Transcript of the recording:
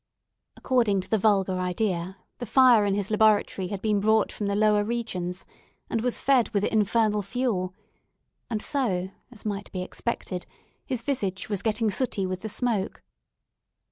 According to the vulgar idea, the fire in his laboratory had been brought from the lower regions, and was fed with infernal fuel; and so, as might be expected, his visage was getting sooty with the smoke.